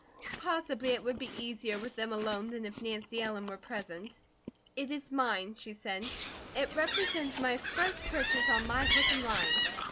Possibly it would be easier with them alone than if Nancy Ellen were present. "It is mine," she said. "It represents my first purchase on my own hook and line."